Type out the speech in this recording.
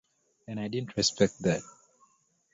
And I didn't respect that.